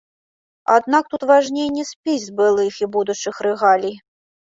Аднак тут важней не спіс былых і будучых рэгалій.